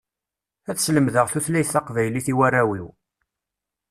Ad slemdeɣ tutlayt taqbaylit i warraw-iw.